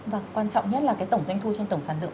và quan trọng nhất là tổng doanh thu trên tổng xa lượng